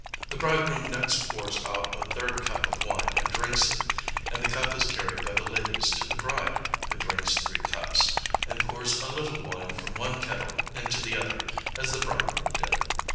The bridegroom next pours out a third cup of wine and drinks it, and the cup is carried by the ladies to the bride, who drinks three cups, and pours a little wine from one kettle into the other, as the bridegroom did.